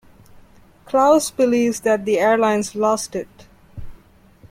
Klaus believes that the airlines lost it.